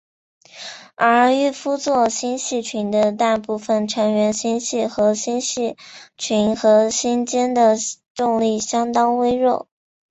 而玉夫座星系群的大部分成员星系和星系群核心间的重力相当微弱。